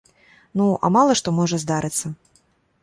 Ну, а мала што можа здарыцца.